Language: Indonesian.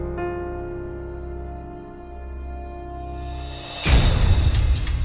malin jangan lupa